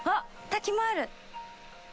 滝もある。